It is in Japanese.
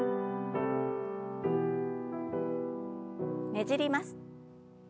ねじります。